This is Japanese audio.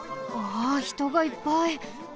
わあひとがいっぱい。